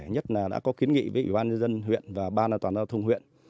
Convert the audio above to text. nhất là đã có kiến nghị với ủy ban dân huyện và ban an toàn đoàn thông huyện